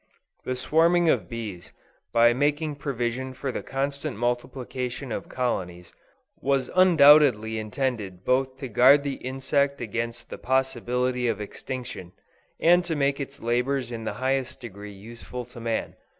_ The swarming of bees, by making provision for the constant multiplication of colonies, was undoubtedly intended both to guard the insect against the possibility of extinction, and to make its labors in the highest degree useful to man.